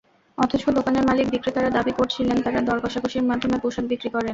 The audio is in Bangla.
অথচ দোকানের মালিক-বিক্রেতারা দাবি করছিলেন তাঁরা দর-কষাকষির মাধ্যমে পোশাক বিক্রি করেন।